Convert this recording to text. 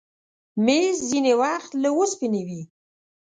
مېز ځینې وخت له اوسپنې وي.